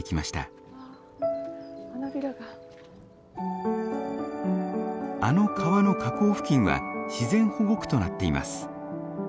あの川の河口付近は自然保護区となっています。